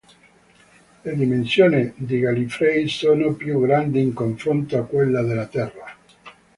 Le dimensioni di Gallifrey sono più grandi in confronto a quelle della Terra.